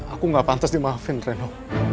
aku nggak pantas dimahafin reno